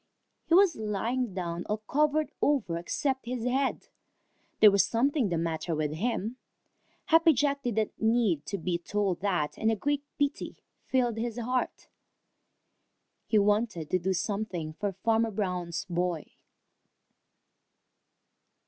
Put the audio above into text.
He was lying down all covered over except his head. There was something the matter with him. Happy Jack didn't need to be told that, and a great pity filled his heart. He wanted to do something for Farmer Brown's boy.